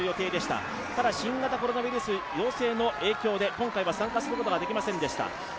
ただ、新型コロナウイルス陽性の影響で今回は参加することができませんでした。